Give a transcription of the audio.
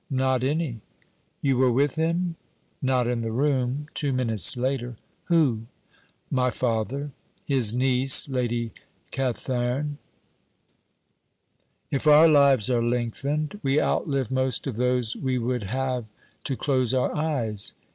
'Not any.' 'You were with him?' 'Not in the room. Two minutes later.' 'Who...?' 'My father. His niece, Lady Cathairn.' 'If our lives are lengthened we outlive most of those we would have to close our eyes.